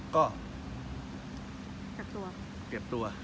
ก็เก็บตัว